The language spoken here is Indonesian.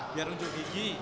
biar unjuk gigi